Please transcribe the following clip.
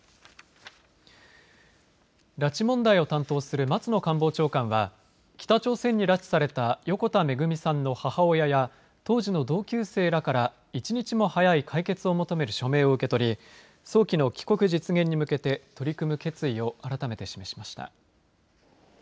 拉致問題を担当する松野官房長官は北朝鮮に拉致された横田めぐみさんの母親や当時の同級生らから一日も早い解決を求める署名を受け取り早期後帰国実現に向けて取り組む決意を改めて示しました。